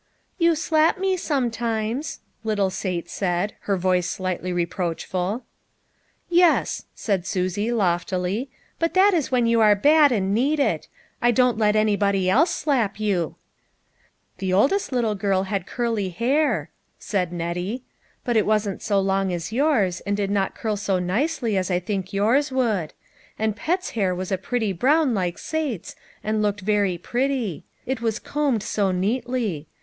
" You slap me sometimes," little Sate said, her voice slightly reproachful. " Yes," said Susie loftily, " but that is when you are bad and need it ; I don't let anybody else slap you." " The oldest little girl had curly hair," said Xettie, " but it wasn't so long as yours, and did not curl so nicely as I think yours would. And Pet's hair was a pretty brown, like Sate's, and looked very pretty. It was combed so neatly.